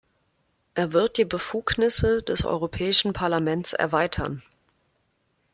Er wird die Befugnisse des Europäischen Parlaments erweitern.